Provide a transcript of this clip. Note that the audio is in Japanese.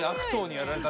やられた。